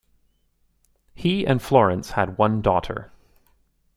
He and Florence had one daughter.